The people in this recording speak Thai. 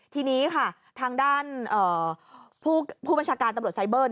ทีนี้ค่ะทางด้านผู้บัญชาการตำรวจไซเบอร์